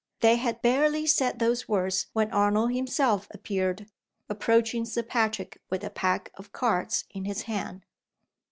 They had barely said those words when Arnold himself appeared, approaching Sir Patrick with a pack of cards in his hand.